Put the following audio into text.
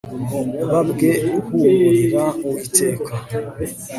umubabwe uhumurira uwiteka